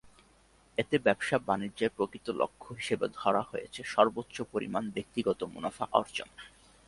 এতে ব্যবসা-বাণিজ্যের প্রকৃত লক্ষ্য হিসেবে ধরা হয়েছে সর্বোচ্চ পরিমাণ ব্যক্তিগত মুনাফা অর্জন।